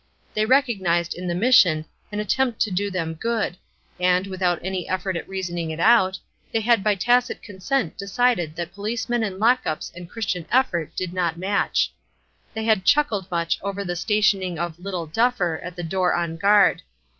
They recognized in the Mission an attempt to do them good; and, without any effort at reasoning it out, they had by tacit consent decided that policemen and lock ups and Christian effort did not match. They had chuckled much over the stationing of "little Duffer" at the door on guard.